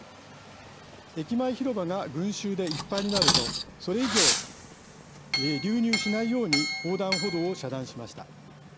駅前広場が群集でいっぱいになるとそれ以上、流入しないように横断歩道を遮断しました。